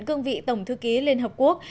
cương vị tổng thư ký liên hợp quốc